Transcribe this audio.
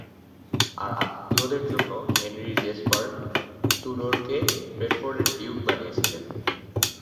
তার আত্মীয়দের জন্য, হেনরি জেসপার তুডোরকে বেডফোর্ডের ডিউক বানিয়েছিলেন।